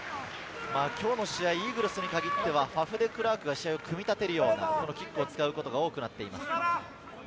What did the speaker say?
今日の試合、イーグルスに限っては、デクラークが試合を組み立てるようなキックを使うことが多くなっています。